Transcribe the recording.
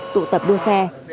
tụ tập đua xe